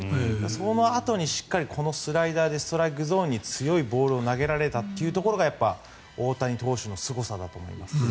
そのあとにしっかりこのスライダーでストライクゾーンに強いボールを投げられたというところがやっぱり、大谷投手のすごさだと思います。